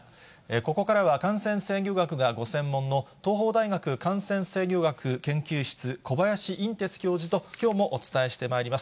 ここからは感染制御学がご専門の、東邦大学感染制御学研究室、小林寅てつ教授ときょうもお伝えしてまいります。